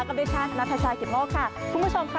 ก็วันนี้ช่างภาพที่ชายคิดโมกค่ะคุณผู้ชมค่ะ